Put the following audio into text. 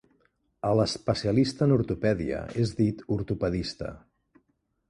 A l'especialista en ortopèdia és dit ortopedista.